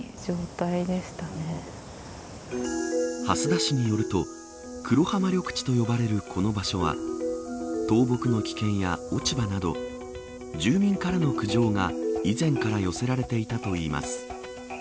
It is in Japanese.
蓮田市によると黒浜緑地と呼ばれるこの場所は倒木の危険や落ち葉など住民からの苦情が以前から寄せられていたといいます。